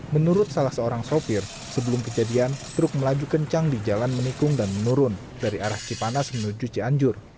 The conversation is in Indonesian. menurut salah seorang sopir sebelum kejadian truk melaju kencang di jalan menikung dan menurun dari arah cipanas menuju cianjur